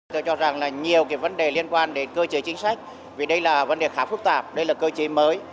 tôi cho rằng là nhiều cái vấn đề liên quan đến cơ chế chính sách vì đây là vấn đề khá phức tạp đây là cơ chế mới